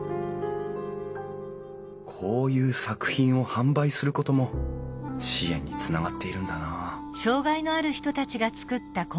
こういう作品を販売することも支援につながっているんだな